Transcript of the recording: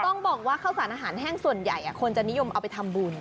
ต้องบอกว่าข้าวสารอาหารแห้งส่วนใหญ่คนจะนิยมเอาไปทำบุญ